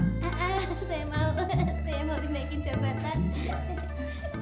haha saya mau saya mau dinaikin jabatan